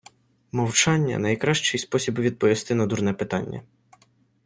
Мовчання - найкращий спосіб відповісти на дурне питання.